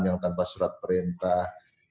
yang tanpa surat perintah